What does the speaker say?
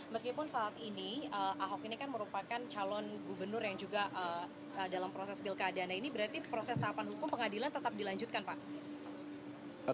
meskipun saat ini ahok ini kan merupakan calon gubernur yang juga dalam proses pilkada nah ini berarti proses tahapan hukum pengadilan tetap dilanjutkan pak